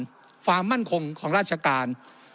ความมั่นคงของราชการ